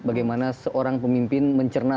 bagaimana seorang pemimpin mencerna